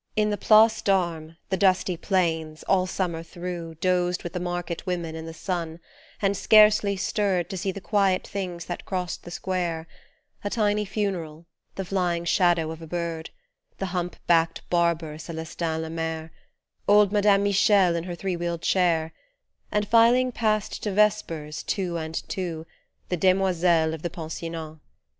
In the Place d'Armes, the dusty planes, all Summer through Dozed with the market women in the sun and scarcely stirred To see the quiet things that crossed the Square , A tiny funeral, the flying shadow of a bird, The hump backed barber Ce"lestin Lemaire, Old madame Michel in her three wheeled chair, And filing past to Vespers, two and two, The demoiselles of the pensionnat.